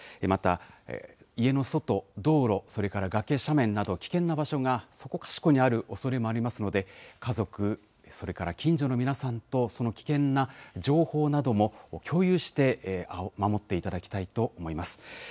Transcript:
また、家の外、道路、それから崖、斜面など、危険な場所がそこかしこにあるおそれもありますので、家族、それから近所の皆さんと、その危険な情報なども共有して守っていただきたいと思います。